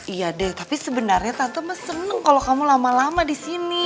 iya deh tapi sebenarnya tante senang kalau kamu lama lama di sini